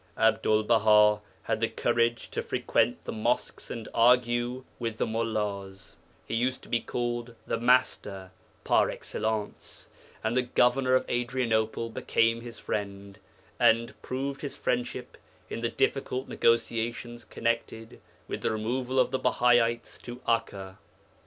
Abdul Baha had the courage to frequent the mosques and argue with the mullās; he used to be called 'the Master' par excellence, and the governor of Adrianople became his friend, and proved his friendship in the difficult negotiations connected with the removal of the Bahaites to Akka.